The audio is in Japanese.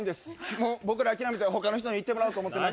もう僕ら諦めて他の人にいってもらおうと思ってます